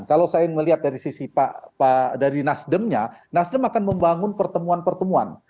kalau saya melihat dari sisi nasdemnya nasdem akan membangun pertemuan pertemuan